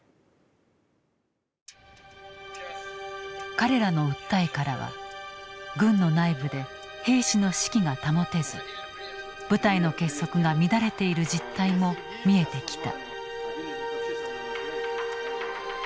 彼らの訴えからは軍の内部で兵士の士気が保てず部隊の結束が乱れている実態も見えてきた。